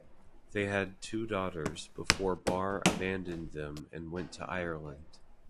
They had two daughters before Barre abandoned them and went to Ireland.